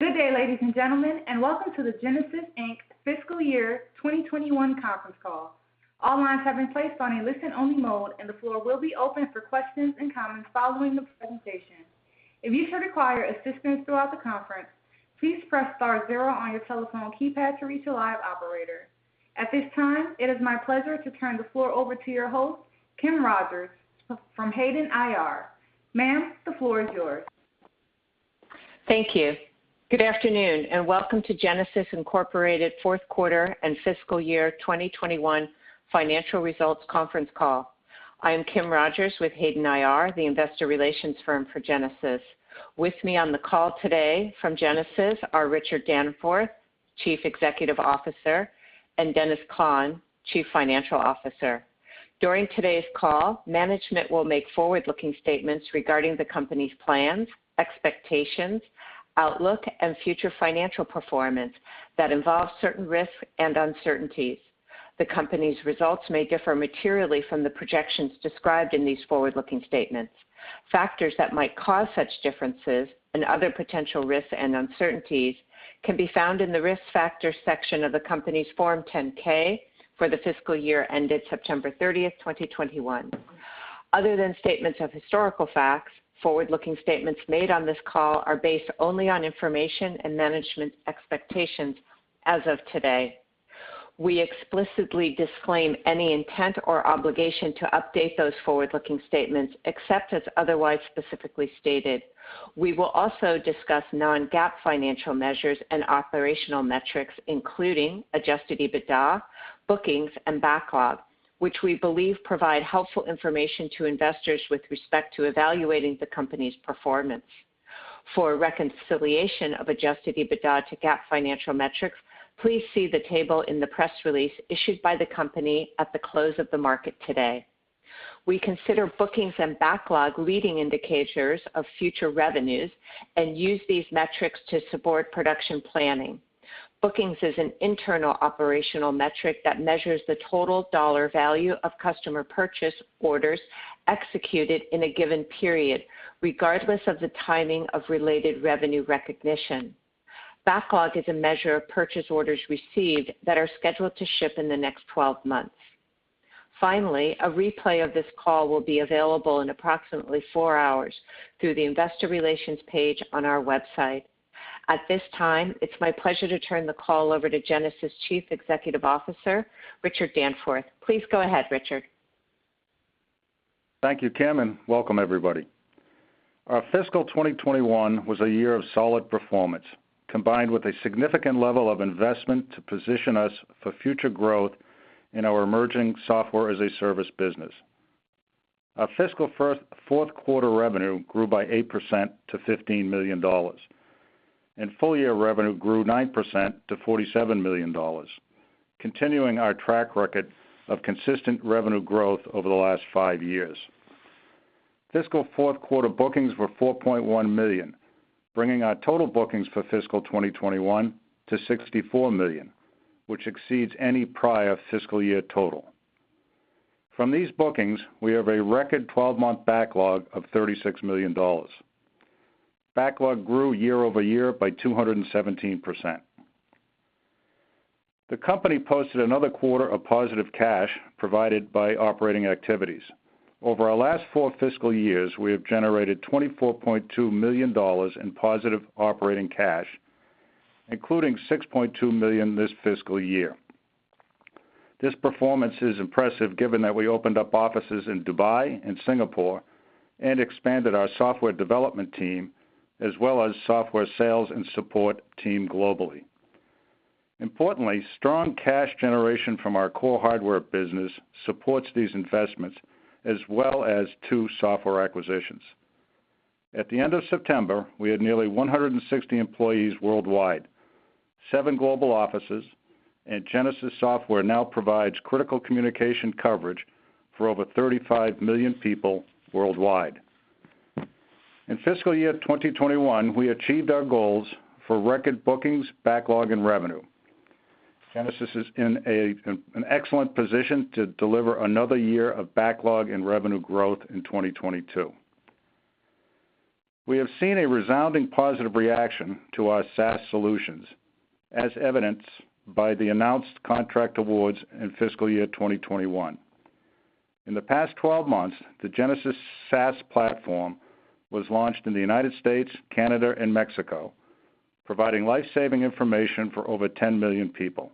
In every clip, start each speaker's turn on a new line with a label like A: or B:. A: Good day, ladies and gentlemen, and welcome to the Genasys Inc. fiscal year 2021 conference call. All lines have been placed on a listen-only mode, and the floor will be open for questions and comments following the presentation. If you should require assistance throughout the conference, please press star zero on your telephone keypad to reach a live operator. At this time, it is my pleasure to turn the floor over to your host, Kimberly Rogers from Hayden IR. Ma'am, the floor is yours.
B: Thank you. Good afternoon, and welcome to Genasys Inc. fourth quarter and fiscal year 2021 financial results conference call. I am Kim Rogers with Hayden IR, the investor relations firm for Genasys. With me on the call today from Genasys are Richard Danforth, Chief Executive Officer, and Dennis Klahn, Chief Financial Officer. During today's call, management will make forward-looking statements regarding the company's plans, expectations, outlook, and future financial performance that involve certain risks and uncertainties. The company's results may differ materially from the projections described in these forward-looking statements. Factors that might cause such differences and other potential risks and uncertainties can be found in the Risk Factors section of the company's Form 10-K for the fiscal year ended September 30th, 2021. Other than statements of historical facts, forward-looking statements made on this call are based only on information and management expectations as of today. We explicitly disclaim any intent or obligation to update those forward-looking statements except as otherwise specifically stated. We will also discuss non-GAAP financial measures and operational metrics, including Adjusted EBITDA, bookings, and backlog, which we believe provide helpful information to investors with respect to evaluating the company's performance. For a reconciliation of Adjusted EBITDA to GAAP financial metrics, please see the table in the press release issued by the company at the close of the market today. We consider bookings and backlog leading indicators of future revenues and use these metrics to support production planning. Bookings is an internal operational metric that measures the total dollar value of customer purchase orders executed in a given period, regardless of the timing of related revenue recognition. Backlog is a measure of purchase orders received that are scheduled to ship in the next 12 months. Finally, a replay of this call will be available in approximately four hours through the investor relations page on our website. At this time, it's my pleasure to turn the call over to Genasys Chief Executive Officer, Richard Danforth. Please go ahead, Richard.
C: Thank you, Kim, and welcome everybody. Our fiscal 2021 was a year of solid performance, combined with a significant level of investment to position us for future growth in our emerging software-as-a-service business. Our fiscal fourth quarter revenue grew by 8% to $15 million, and full-year revenue grew 9% to $47 million, continuing our track record of consistent revenue growth over the last five years. Fiscal fourth quarter bookings were $4.1 million, bringing our total bookings for fiscal 2021 to $64 million, which exceeds any prior fiscal year total. From these bookings, we have a record 12-month backlog of $36 million. Backlog grew year-over-year by 217%. The company posted another quarter of positive cash provided by operating activities. Over our last four fiscal years, we have generated $24.2 million in positive operating cash, including $6.2 million this fiscal year. This performance is impressive given that we opened up offices in Dubai and Singapore and expanded our software development team as well as software sales and support team globally. Importantly, strong cash generation from our core hardware business supports these investments as well as two software acquisitions. At the end of September, we had nearly 160 employees worldwide, seven global offices, and Genasys software now provides critical communication coverage for over 35 million people worldwide. In fiscal year 2021, we achieved our goals for record bookings, backlog, and revenue. Genasys is in an excellent position to deliver another year of backlog and revenue growth in 2022. We have seen a resounding positive reaction to our SaaS solutions, as evidenced by the announced contract awards in fiscal year 2021. In the past 12 months, the Genasys SaaS platform was launched in the United States, Canada, and Mexico, providing life-saving information for over 10 million people.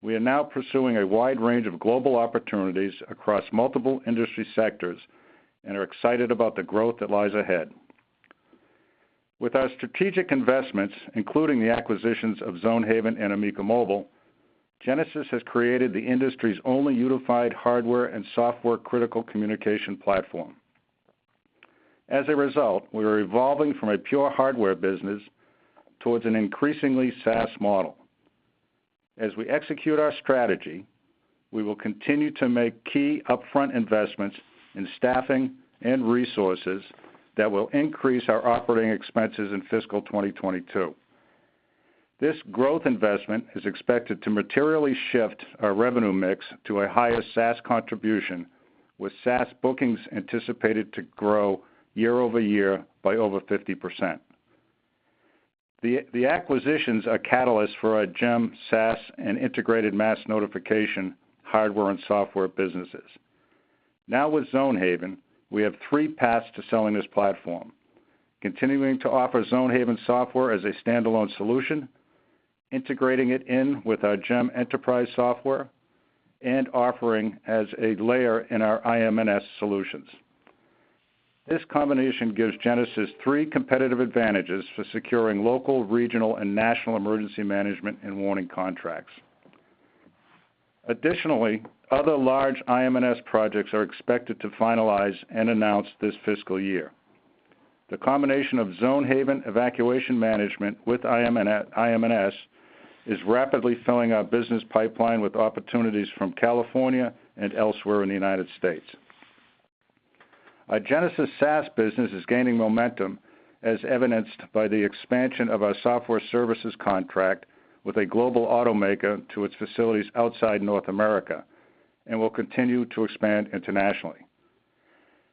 C: We are now pursuing a wide range of global opportunities across multiple industry sectors and are excited about the growth that lies ahead. With our strategic investments, including the acquisitions of Zonehaven and Amika Mobile, Genasys has created the industry's only unified hardware and software critical communication platform. As a result, we are evolving from a pure hardware business towards an increasingly SaaS model. As we execute our strategy, we will continue to make key upfront investments in staffing and resources that will increase our operating expenses in fiscal 2022. This growth investment is expected to materially shift our revenue mix to a higher SaaS contribution, with SaaS bookings anticipated to grow year-over-year by over 50%. The acquisitions are catalysts for our GEM SaaS and integrated mass notification hardware and software businesses. Now, with Zonehaven, we have three paths to selling this platform, continuing to offer Zonehaven software as a standalone solution, integrating it in with our GEM enterprise software, and offering as a layer in our IMNS solutions. This combination gives Genasys three competitive advantages for securing local, regional, and national emergency management and warning contracts. Additionally, other large IMNS projects are expected to finalize and announce this fiscal year. The combination of Zonehaven evacuation management with IMNS is rapidly filling our business pipeline with opportunities from California and elsewhere in the United States. Our Genasys SaaS business is gaining momentum as evidenced by the expansion of our software services contract with a global automaker to its facilities outside North America, and will continue to expand internationally.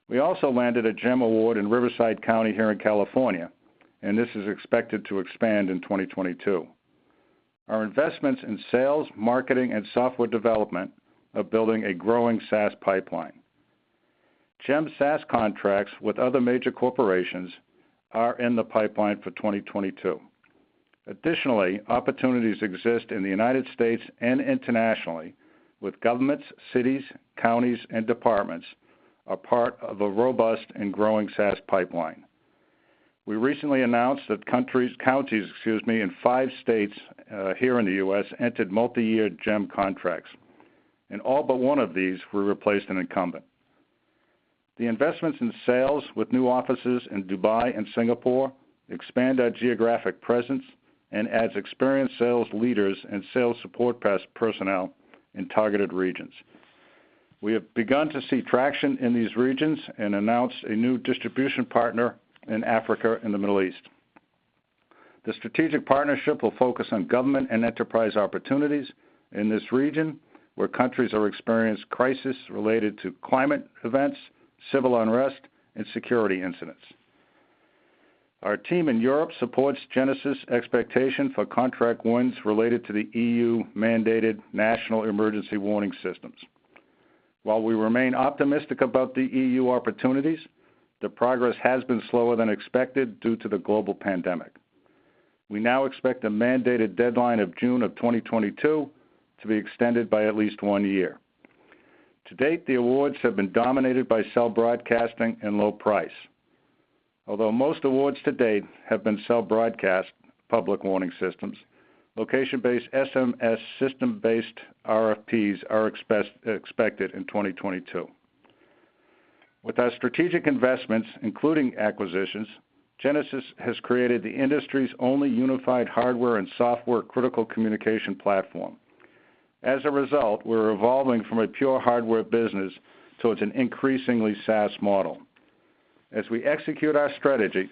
C: We also landed a GEM award in Riverside County here in California, and this is expected to expand in 2022. Our investments in sales, marketing, and software development are building a growing SaaS pipeline. GEM SaaS contracts with other major corporations are in the pipeline for 2022. Additionally, opportunities exist in the United States and internationally with governments, cities, counties, and departments, are part of a robust and growing SaaS pipeline. We recently announced that counties in five states here in the U.S. entered multiyear GEM contracts, and all but one of these we replaced an incumbent. The investments in sales with new offices in Dubai and Singapore expand our geographic presence and adds experienced sales leaders and sales support personnel in targeted regions. We have begun to see traction in these regions and announced a new distribution partner in Africa and the Middle East. The strategic partnership will focus on government and enterprise opportunities in this region, where countries are experiencing crises related to climate events, civil unrest, and security incidents. Our team in Europe supports Genasys expectations for contract wins related to the EU-mandated national emergency warning systems. While we remain optimistic about the EU opportunities, the progress has been slower than expected due to the global pandemic. We now expect a mandated deadline of June of 2022 to be extended by at least one year. To date, the awards have been dominated by cell broadcast and low price. Although most awards to date have been cell broadcast public warning systems, location-based SMS system-based RFPs are expected in 2022. With our strategic investments, including acquisitions, Genasys has created the industry's only unified hardware and software critical communication platform. As a result, we're evolving from a pure hardware business towards an increasingly SaaS model. As we execute our strategy,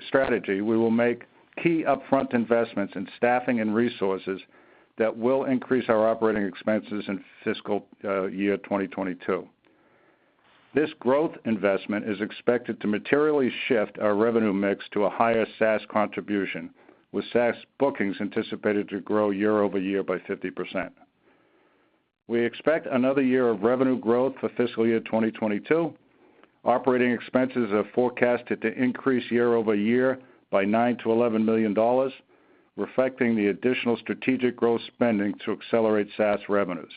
C: we will make key upfront investments in staffing and resources that will increase our operating expenses in fiscal year 2022. This growth investment is expected to materially shift our revenue mix to a higher SaaS contribution, with SaaS bookings anticipated to grow year-over-year by 50%. We expect another year of revenue growth for fiscal year 2022. Operating expenses are forecasted to increase year-over-year by $9 million-$11 million, reflecting the additional strategic growth spending to accelerate SaaS revenues.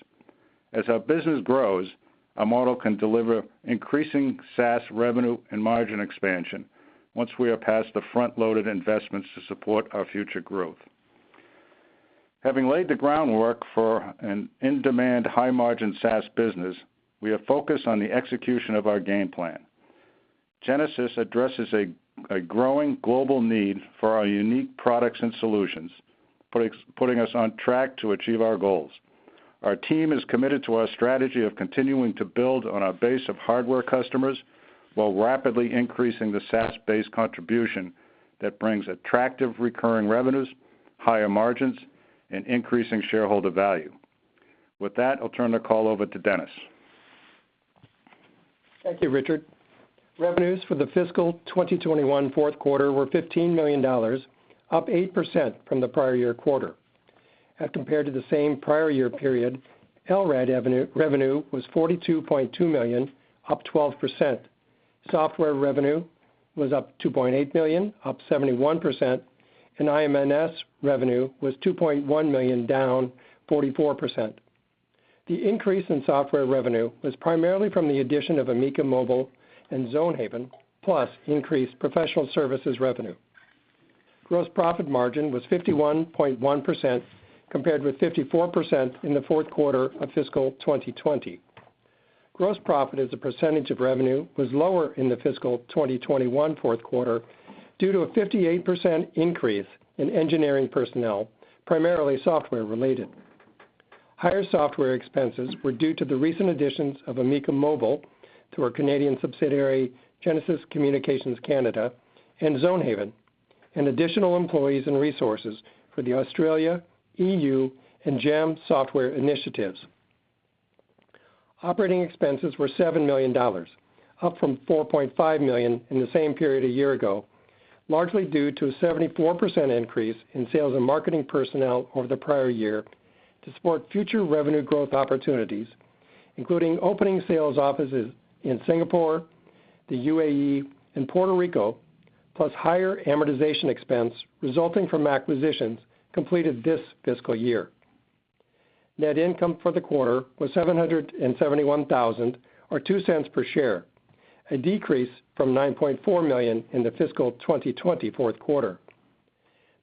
C: As our business grows, our model can deliver increasing SaaS revenue and margin expansion once we are past the front-loaded investments to support our future growth. Having laid the groundwork for an in-demand high-margin SaaS business, we are focused on the execution of our game plan. Genasys addresses a growing global need for our unique products and solutions, putting us on track to achieve our goals. Our team is committed to our strategy of continuing to build on our base of hardware customers while rapidly increasing the SaaS-based contribution that brings attractive recurring revenues, higher margins, and increasing shareholder value. With that, I'll turn the call over to Dennis.
D: Thank you, Richard. Revenues for the fiscal 2021 fourth quarter were $15 million, up 8% from the prior year quarter. As compared to the same prior year period, LRAD revenue was $42.2 million, up 12%. Software revenue was up $2.8 million, up 71%, and IMNS revenue was $2.1 million, down 44%. The increase in software revenue was primarily from the addition of Amika Mobile and Zonehaven, plus increased professional services revenue. Gross profit margin was 51.1%, compared with 54% in the fourth quarter of fiscal 2020. Gross profit as a percentage of revenue was lower in the fiscal 2021 fourth quarter due to a 58% increase in engineering personnel, primarily software related. Higher software expenses were due to the recent additions of Amika Mobile to our Canadian subsidiary, Genasys Communications Canada, and Zonehaven, and additional employees and resources for the Australia, EU, and GEM software initiatives. Operating expenses were $7 million, up from $4.5 million in the same period a year ago, largely due to a 74% increase in sales and marketing personnel over the prior year to support future revenue growth opportunities, including opening sales offices in Singapore, the UAE, and Puerto Rico, plus higher amortization expense resulting from acquisitions completed this fiscal year. Net income for the quarter was $771 thousand or $0.02 per share, a decrease from $9.4 million in the fiscal 2020 fourth quarter.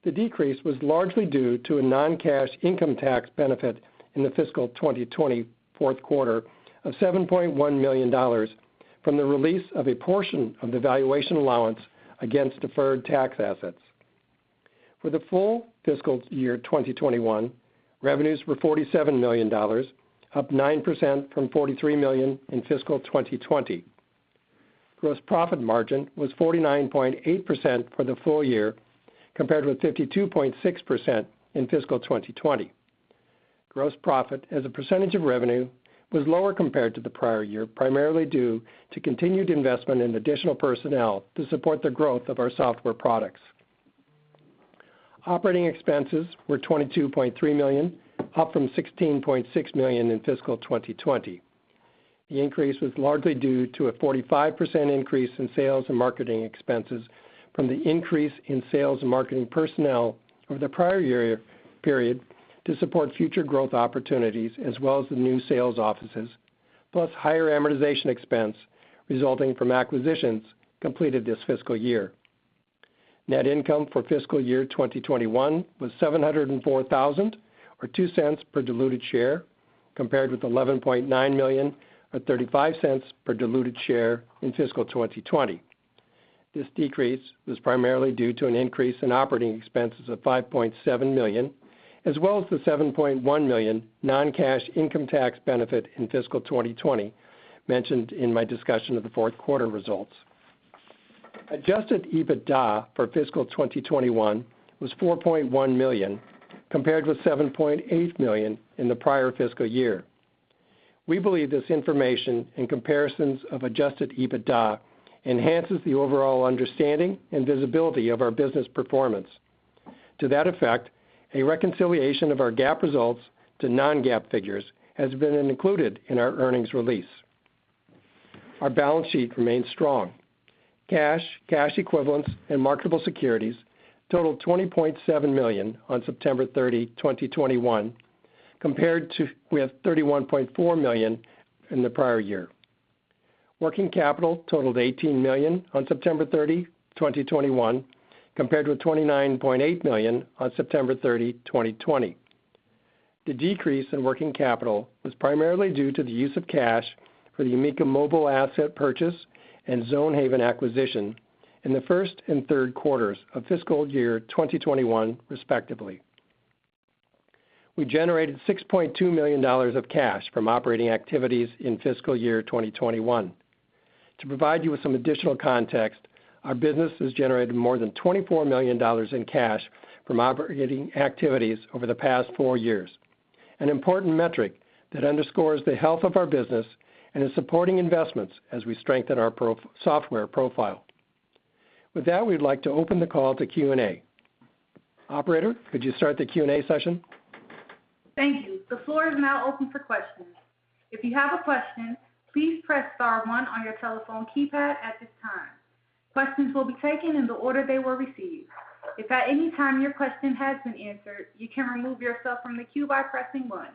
D: The decrease was largely due to a non-cash income tax benefit in the fiscal 2020 fourth quarter of $7.1 million from the release of a portion of the valuation allowance against deferred tax assets. For the full fiscal year 2021, revenues were $47 million, up 9% from $43 million in fiscal 2020. Gross profit margin was 49.8% for the full year compared with 52.6% in fiscal 2020. Gross profit as a percentage of revenue was lower compared to the prior year, primarily due to continued investment in additional personnel to support the growth of our software products. Operating expenses were $22.3 million, up from $16.6 million in fiscal 2020. The increase was largely due to a 45% increase in sales and marketing expenses from the increase in sales and marketing personnel over the prior year period to support future growth opportunities, as well as the new sales offices, plus higher amortization expense resulting from acquisitions completed this fiscal year. Net income for fiscal year 2021 was $704,000 or $0.02 per diluted share, compared with $11.9 million or $0.35 per diluted share in fiscal 2020. This decrease was primarily due to an increase in operating expenses of $5.7 million, as well as the $7.1 million non-cash income tax benefit in fiscal 2020 mentioned in my discussion of the fourth quarter results. Adjusted EBITDA for fiscal 2021 was $4.1 million, compared with $7.8 million in the prior fiscal year. We believe this information in comparisons of Adjusted EBITDA enhances the overall understanding and visibility of our business performance. To that effect, a reconciliation of our GAAP results to non-GAAP figures has been included in our earnings release. Our balance sheet remains strong. Cash, cash equivalents, and marketable securities totaled $20.7 million on September 30, 2021, compared to $31.4 million in the prior year. Working capital totaled $18 million on September 30, 2021, compared with $29.8 million on September 30, 2020. The decrease in working capital was primarily due to the use of cash for the Amika Mobile asset purchase and Zonehaven acquisition in the first and third quarters of fiscal year 2021, respectively. We generated $6.2 million of cash from operating activities in fiscal year 2021. To provide you with some additional context, our business has generated more than $24 million in cash from operating activities over the past four years, an important metric that underscores the health of our business and is supporting investments as we strengthen our software profile. With that, we'd like to open the call to Q&A. Operator, could you start the Q&A session?
A: Thank you. The floor is now open for questions. If you have a question, please press star one on your telephone keypad at this time. Questions will be taken in the order they were received. If at any time your question has been answered, you can remove yourself from the queue by pressing one.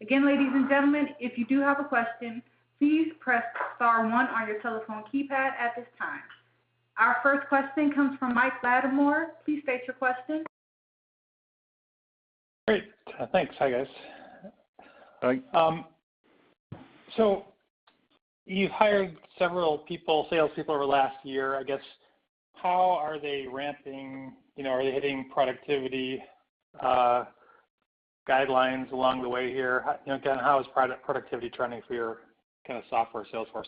A: Again, ladies and gentlemen, if you do have a question, please press star one on your telephone keypad at this time. Our first question comes from Michael Latimore. Please state your question.
E: Great. Thanks. Hi, guys.
D: Hi.
E: You've hired several people, salespeople over the last year, I guess. How are they ramping? You know, are they hitting productivity guidelines along the way here? You know, kind of how is productivity trending for your kind of software sales force?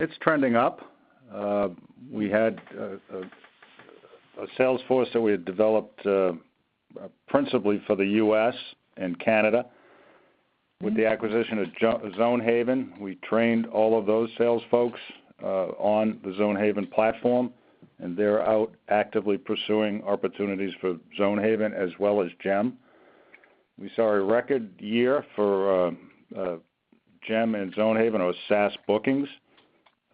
D: It's trending up. We had a sales force that we had developed principally for the U.S. and Canada. With the acquisition of Zonehaven, we trained all of those sales folks on the Zonehaven platform, and they're out actively pursuing opportunities for Zonehaven as well as GEM. We saw a record year for GEM and Zonehaven with SaaS bookings.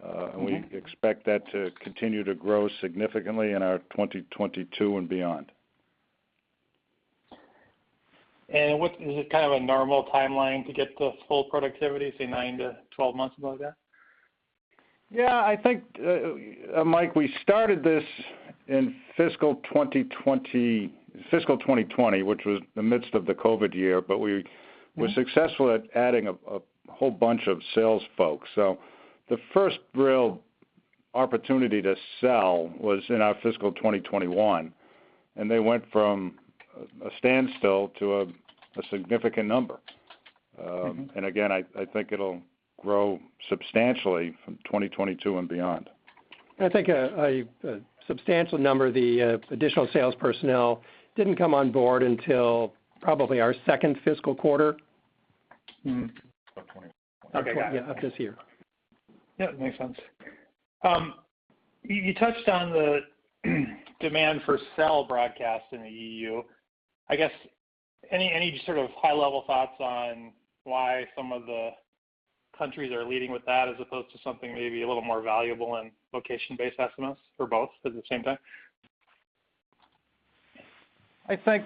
E: Mm-hmm.
D: We expect that to continue to grow significantly in our 2022 and beyond.
E: What is it kind of a normal timeline to get to full productivity, say, nine to 12 months, something like that?
C: Yeah, I think, Mike, we started this in fiscal 2020, which was the midst of the COVID year, but we-
E: Mm-hmm....
C: were successful at adding a whole bunch of sales folks. The first real opportunity to sell was in our fiscal 2021, and they went from a standstill to a significant number.
D: Mm-hmm.
C: I think it'll grow substantially from 2022 and beyond.
D: I think a substantial number of the additional sales personnel didn't come on board until probably our second fiscal quarter.
C: Of 2021.
D: Yeah, of this year.
E: Yeah, makes sense. You touched on the demand for Cell Broadcast in the EU. I guess, any sort of high-level thoughts on why some of the countries are leading with that as opposed to something maybe a little more valuable in Location-Based SMS or both at the same time?
C: I think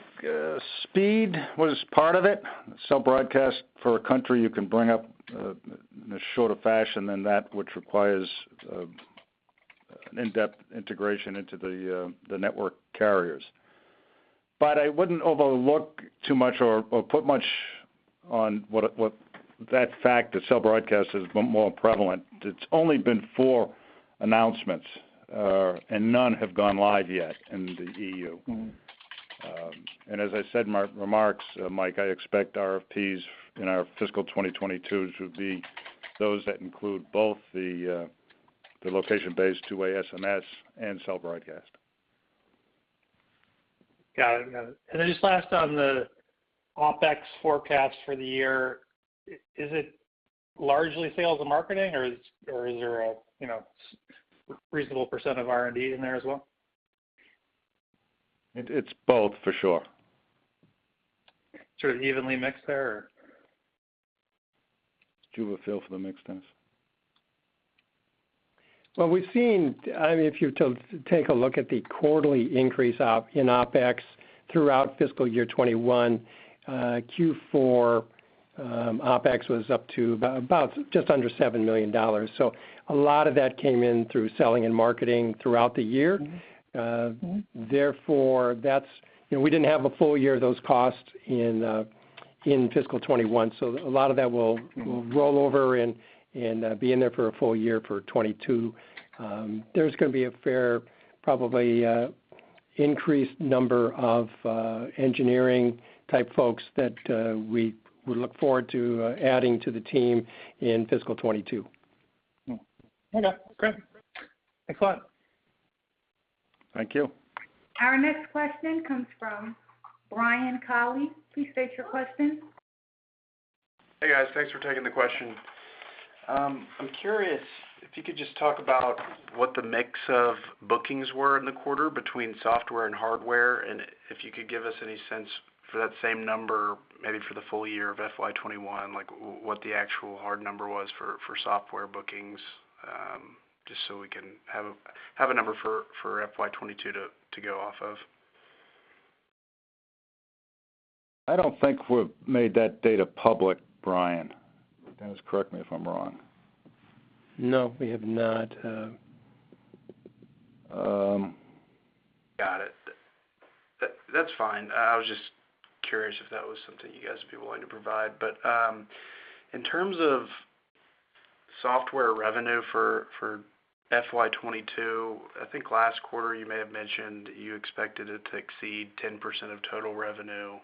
C: speed was part of it. Cell Broadcast for a country you can bring up in a shorter fashion than that which requires an in-depth integration into the network carriers. I wouldn't overlook too much or put much on what that fact that Cell Broadcast is more prevalent. It's only been four announcements, and none have gone live yet in the EU.
E: Mm-hmm.
C: As I said in my remarks, Mike, I expect RFPs in our fiscal 2022 to be those that include both the location-based two-way SMS and Cell Broadcast.
E: Got it. Got it. Just last on the OpEx forecast for the year. Is it largely sales and marketing, or is there a, you know, reasonable percent of R&D in there as well?
C: It's both for sure.
E: Sort of evenly mixed there or?
C: Do you want to field the mic, Dennis?
D: Well, we've seen—I mean, if you want to take a look at the quarterly increase in OpEx throughout fiscal year 2021, in Q4 OpEx was up to just under $7 million. A lot of that came in through selling and marketing throughout the year.
E: Mm-hmm.
D: Therefore, that's you know, we didn't have a full year of those costs in fiscal 2021, so a lot of that will-
E: Mm-hmm....
D: will roll over and be in there for a full year for 2022. There's gonna be a fair, probably, increased number of engineering type folks that we would look forward to adding to the team in fiscal 2022.
E: Okay, great. Thanks a lot.
C: Thank you.
A: Our next question comes from Brian Cali. Please state your question.
F: Hey, guys. Thanks for taking the question. I'm curious if you could just talk about what the mix of bookings were in the quarter between software and hardware, and if you could give us any sense for that same number, maybe for the full year of FY 2021, like what the actual hard number was for software bookings, just so we can have a number for FY 2022 to go off of.
C: I don't think we've made that data public, Brian. Dennis, correct me if I'm wrong.
D: No, we have not.
C: Um...
F: Got it. That's fine. I was just curious if that was something you guys would be willing to provide. In terms of software revenue for FY 2022, I think last quarter you may have mentioned you expected it to exceed 10% of total revenue.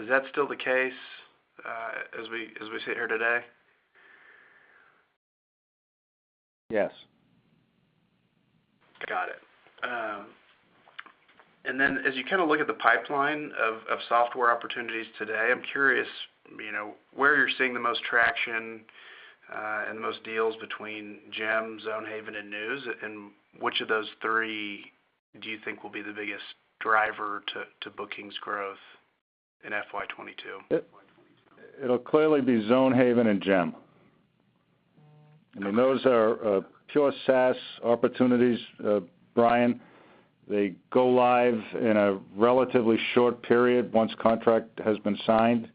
F: Is that still the case, as we sit here today?
D: Yes.
F: Got it. As you kind of look at the pipeline of software opportunities today, I'm curious, you know, where you're seeing the most traction, and the most deals between GEM, Zonehaven and NEWS, and which of those three do you think will be the biggest driver to bookings growth in FY 2022?
C: It'll clearly be Zonehaven and GEM. I mean, those are pure SaaS opportunities, Brian. They go live in a relatively short period once contract has been signed.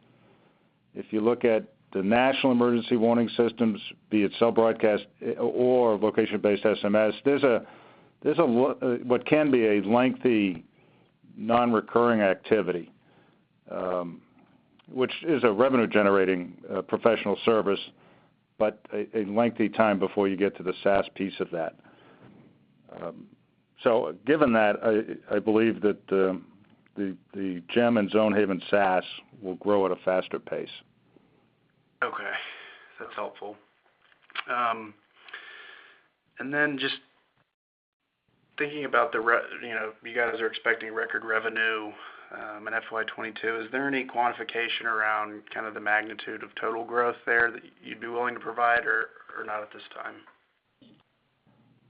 C: If you look at the National Emergency Warning Systems, be it cell broadcast or location-based SMS, there's a what can be a lengthy non-recurring activity, which is a revenue-generating professional service, but a lengthy time before you get to the SaaS piece of that. Given that, I believe that the GEM and Zonehaven SaaS will grow at a faster pace.
F: Okay. That's helpful. Just thinking about you know, you guys are expecting record revenue in FY 2022. Is there any quantification around kind of the magnitude of total growth there that you'd be willing to provide or not at this time?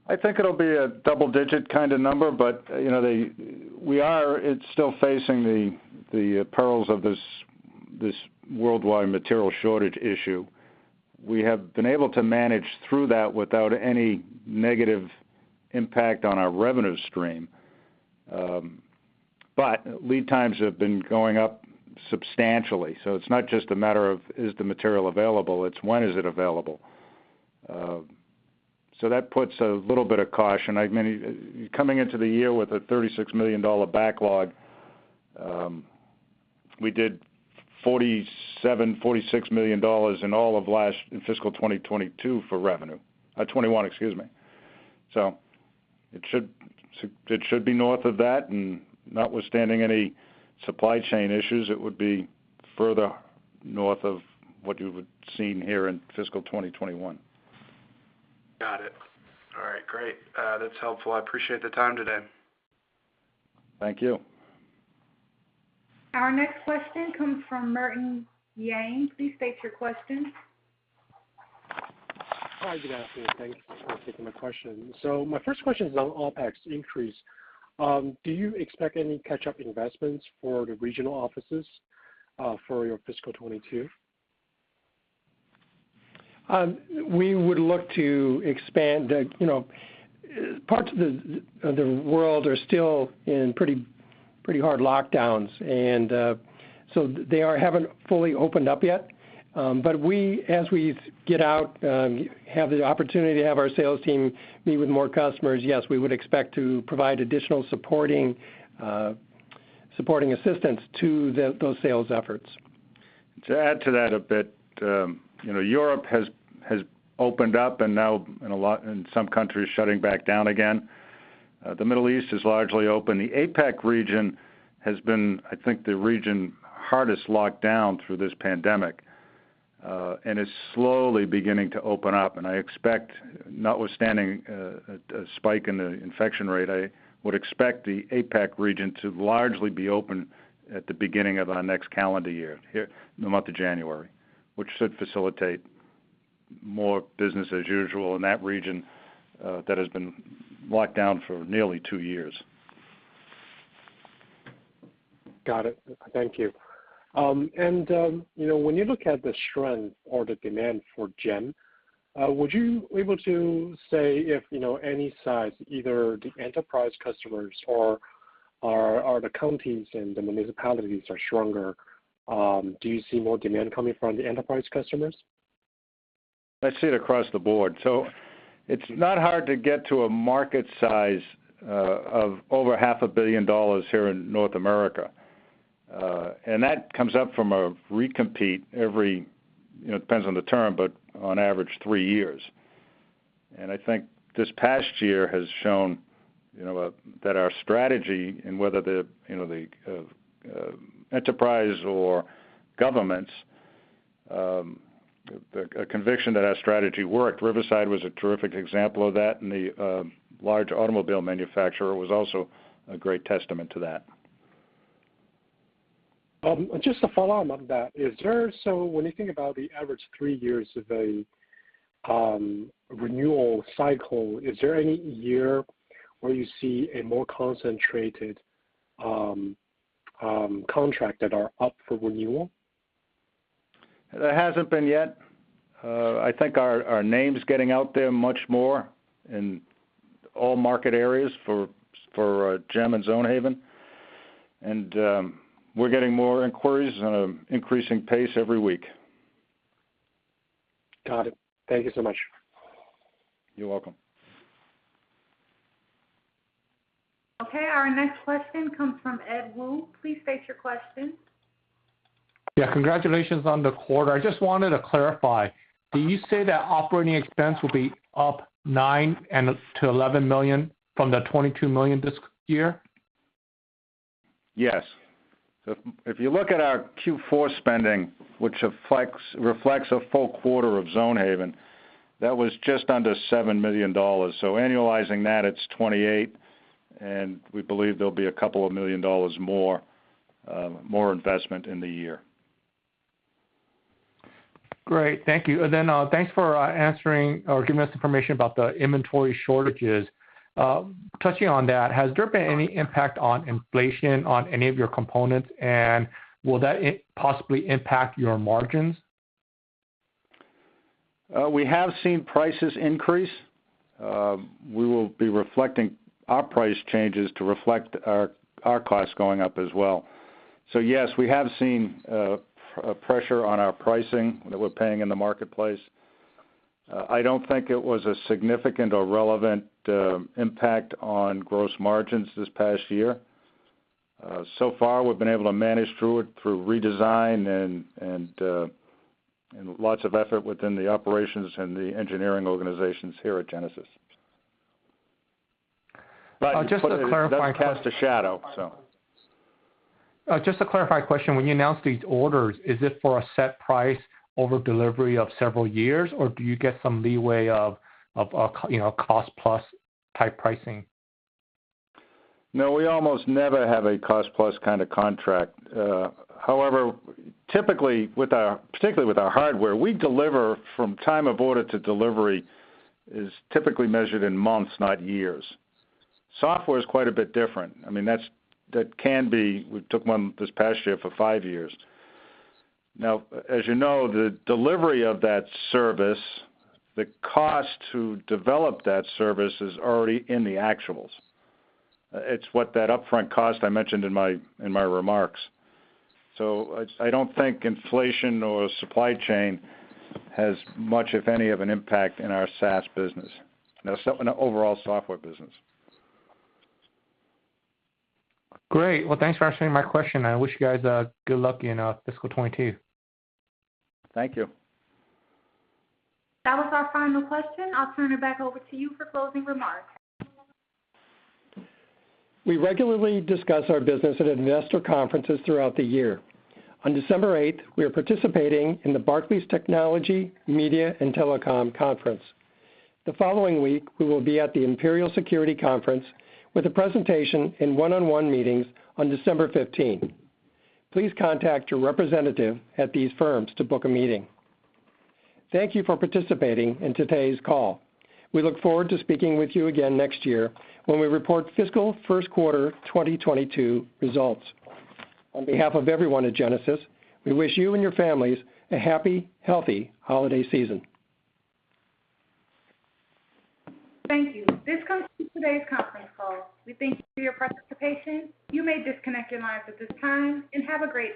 C: I think it'll be a double-digit kind of number, but you know, we are still facing the perils of this worldwide material shortage issue. We have been able to manage through that without any negative impact on our revenue stream. Lead times have been going up substantially, so it's not just a matter of is the material available, it's when is it available? So that puts a little bit of caution. Coming into the year with a $36 million backlog, we did $46 million in all of last fiscal 2021 for revenue. 2021, excuse me. So it should be north of that, and notwithstanding any supply chain issues, it would be further north of what you would've seen here in fiscal 2021.
F: Got it. All right, great. That's helpful. I appreciate the time today.
C: Thank you.
A: Our next question comes from Martin Yang. Please state your question.
G: Hi, good afternoon. Thank you for taking my question. My first question is on OpEx increase. Do you expect any catch-up investments for the regional offices, for your fiscal 2022?
D: We would look to expand the, you know, parts of the world are still in pretty hard lockdowns, so they haven't fully opened up yet. We, as we get out, have the opportunity to have our sales team meet with more customers. Yes, we would expect to provide additional supporting assistance to those sales efforts.
C: To add to that a bit, you know, Europe has opened up and now in some countries shutting back down again. The Middle East is largely open. The APAC region has been, I think, the region hardest locked down through this pandemic, and is slowly beginning to open up, and I expect, notwithstanding, a spike in the infection rate, I would expect the APAC region to largely be open at the beginning of our next calendar year, here in the month of January, which should facilitate more business as usual in that region, that has been locked down for nearly two years.
G: Got it. Thank you. You know, when you look at the strength or the demand for GEM, would you be able to say if in size either the enterprise customers or the counties and the municipalities are stronger? Do you see more demand coming from the enterprise customers?
C: I see it across the board. It's not hard to get to a market size of over half a billion dollars here in North America, and that comes up for a recompete every, you know, depends on the term, but on average three years. I think this past year has shown, you know, that our strategy and whether the, you know, the, enterprise or governments, the, a conviction that our strategy worked. Riverside was a terrific example of that, and the large automobile manufacturer was also a great testament to that.
G: Just to follow up on that, when you think about the average three years of a renewal cycle, is there any year where you see a more concentrated contract that are up for renewal?
C: There hasn't been yet. I think our name's getting out there much more in all market areas for GEM and Zonehaven. We're getting more inquiries at an increasing pace every week.
G: Got it. Thank you so much.
C: You're welcome.
A: Okay, our next question comes from Edward Woo. Please state your question.
H: Yeah, congratulations on the quarter. I just wanted to clarify, did you say that operating expense will be up $9 million-$11 million from the $22 million this year?
C: Yes. If you look at our Q4 spending, which reflects a full quarter of Zonehaven, that was just under $7 million. Annualizing that, it's $28 million, and we believe there'll be $2 million more investment in the year.
H: Great. Thank you. Thanks for answering or giving us information about the inventory shortages. Touching on that, has there been any impact on inflation on any of your components, and will that possibly impact your margins?
C: We have seen prices increase. We will be reflecting our price changes to reflect our costs going up as well. Yes, we have seen pressure on our pricing that we're paying in the marketplace. I don't think it was a significant or relevant impact on gross margins this past year. So far we've been able to manage through it through redesign and lots of effort within the operations and the engineering organizations here at Genasys.
H: Just to clarify.
C: It does cast a shadow, so.
H: Just a clarifying question. When you announce these orders, is it for a set price over delivery of several years, or do you get some leeway of you know, cost plus type pricing?
C: No, we almost never have a cost plus kind of contract. However, typically with our, particularly with our hardware, we deliver from time of order to delivery is typically measured in months, not years. Software is quite a bit different. That can be we took one this past year for five years. As you know, the delivery of that service, the cost to develop that service is already in the actuals. It's what that upfront cost I mentioned in my remarks. I don't think inflation or supply chain has much, if any, of an impact in our SaaS business. Now, in the overall software business.
H: Great. Well, thanks for answering my question. I wish you guys good luck in fiscal 2022.
C: Thank you.
A: That was our final question. I'll turn it back over to you for closing remarks.
D: We regularly discuss our business at investor conferences throughout the year. On December 8th, we are participating in the Barclays Global Technology, Media and Telecommunications Conference. The following week, we will be at the Imperial Capital Security Investor Conference with a presentation and one-on-one meetings on December 15. Please contact your representative at these firms to book a meeting. Thank you for participating in today's call. We look forward to speaking with you again next year when we report fiscal first quarter 2022 results. On behalf of everyone at Genasys, we wish you and your families a happy, healthy holiday season.
A: Thank you. This concludes today's conference call. We thank you for your participation. You may disconnect your lines at this time, and have a great day.